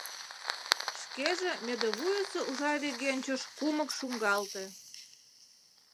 Шкеже мӧдывуйысо ужар регенчыш кумык шуҥгалте.